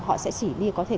họ sẽ chỉ đi có thể có thể